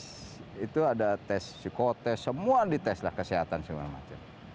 tes itu ada tes psikotest semua dites lah kesehatan segala macam